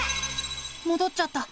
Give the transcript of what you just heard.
もどっちゃった。